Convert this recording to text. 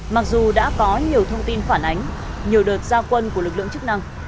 mặc dù đã có nhiều thông tin phản ánh nhiều đợt gia quân của lực lượng chức năng